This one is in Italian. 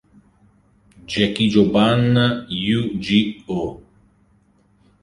Gekijōban Yu-Gi-Oh!